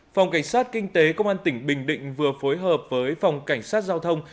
phòng cảnh sát kinh tế công an tỉnh bình định vừa phối hợp với phòng cảnh sát giao thông